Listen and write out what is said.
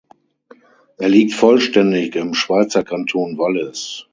Er liegt vollständig im Schweizer Kanton Wallis.